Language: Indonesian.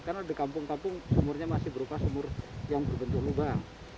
karena di kampung kampung sumurnya masih berupa sumur yang berbentuk lubang